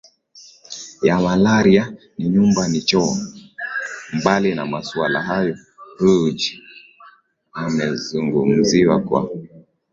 ya Malaria na Nyumba ni Choo Mbali na masuala hayo Ruge amezungumziwa kwa